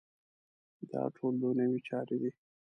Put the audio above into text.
دا ټول دنیوي چارې دي.